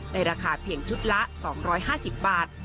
ราคาเพียงชุดละ๒๕๐บาท